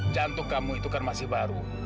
jantung kamu itu kan masih baru